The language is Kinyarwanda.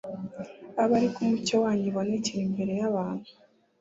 Abe ari ko umucyo wanyu ubonekera imbere y’abantu